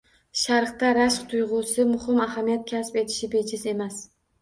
Sharqda rashk tuyg‘usi muhim ahamiyat kasb etishi bejiz emas.